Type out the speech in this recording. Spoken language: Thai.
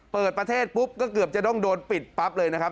เปิดประเทศปุ๊บก็เกือบจะต้องโดนปิดปั๊บเลยนะครับ